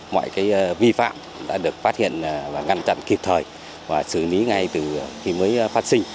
mọi vi phạm đã được phát hiện và ngăn chặn kịp thời và xử lý ngay từ khi mới phát sinh